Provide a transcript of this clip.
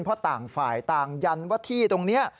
เพราะต่างฝ่ายต่างยันว่าที่ตรงนี้